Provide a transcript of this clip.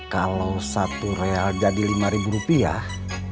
kalo satu real jadi lima rupiah